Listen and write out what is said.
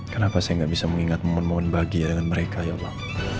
kenapa saya gak bisa mengingat mohon mohon bahagia dengan mereka ya allah